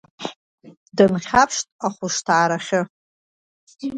Дынхьаԥшт ахәышҭаарахьы.